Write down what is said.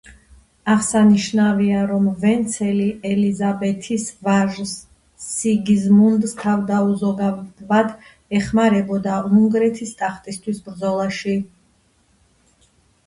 აღსანიშნავია, რომ ვენცელი ელიზაბეთის ვაჟს, სიგიზმუნდს თავდაუზოგავად ეხმარებოდა უნგრეთის ტახტისთვის ბრძოლაში.